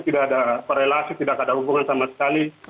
tidak ada korelasi tidak ada hubungan sama sekali